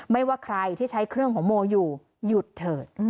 ว่าใครที่ใช้เครื่องของโมอยู่หยุดเถิด